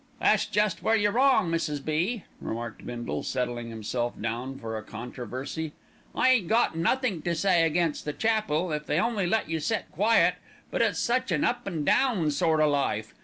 "That's jest where you're wrong, Mrs. B.," remarked Bindle, settling himself down for a controversy. "I ain't got nothink to say against the chapel, if they'd only let you set quiet; but it's such an up an' down sort o' life.